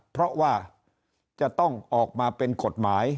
เพราะว่าจะต้องออกมาเป็นกฎหมาย